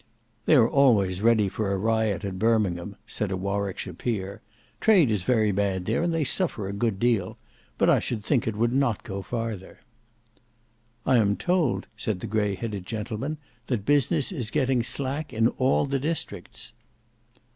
"They are always ready for a riot at Birmingham," said a Warwickshire peer. "Trade is very bad there and they suffer a good deal. But I should think it would not go farther." "I am told," said the grey headed gentleman, "that business is getting slack in all the districts."